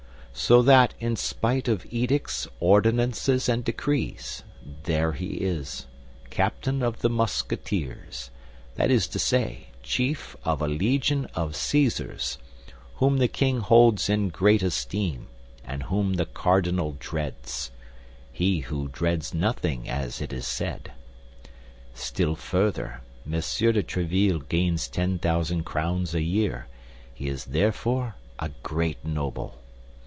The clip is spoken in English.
So that in spite of edicts, ordinances, and decrees, there he is, captain of the Musketeers; that is to say, chief of a legion of Cæsars, whom the king holds in great esteem and whom the cardinal dreads—he who dreads nothing, as it is said. Still further, Monsieur de Tréville gains ten thousand crowns a year; he is therefore a great noble.